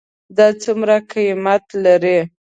دا څومره قیمت لري ?